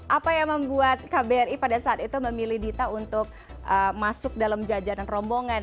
apa yang membuat kbri pada saat itu memilih dita untuk masuk dalam jajaran rombongan